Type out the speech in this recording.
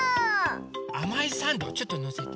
あまいサンドちょっとのせて。